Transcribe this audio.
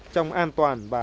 trong an toàn